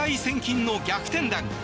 値千金の逆転弾。